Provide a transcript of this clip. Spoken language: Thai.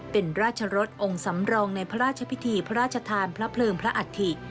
เป็นราชรสองค์สำรองในพระราชพิธีพระราชทานพระเพลิงพระอัฐิ